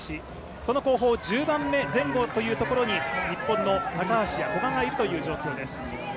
その後方、１０番目前後というところに日本の高橋、古賀がいるという状況です。